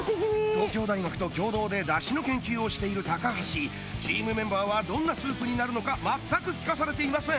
東京大学と共同で出汁の研究をしている橋チームメンバーはどんなスープになるのか全く聞かされていません